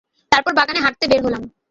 তারপর বাগানে হাঁটতে বের হলাম।